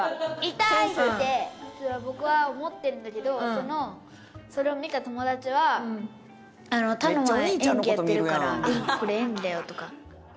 痛いって僕は思ってるんだけどそれを見た友達は「楽は演技やってるからこれ演技だよ」とか。